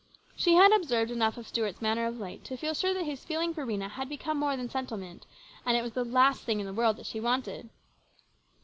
She had observed enough of Stuart's manner of late to feel sure that his feeling for Rhena had become more than sentiment ; and it was the last thing in the world that she wanted.